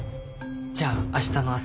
じゃあ明日の朝。